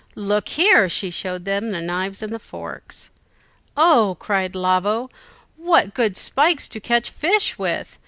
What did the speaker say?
"Look here!" and she showed the knives and forks. "Oh!" cried Lavo, "what good spikes to catch fish with!